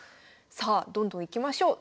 さあどんどんいきましょう。